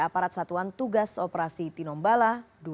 aparat satuan tugas operasi tinombala dua ribu enam belas